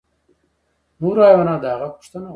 نورو حیواناتو د هغه پوښتنه وکړه.